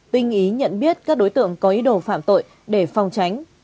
tinh ý nhận biết các đối tượng có ý đồ phạm tội để phòng tránh